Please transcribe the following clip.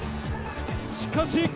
しかし。